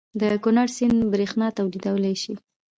د کنړ سیند بریښنا تولیدولی شي؟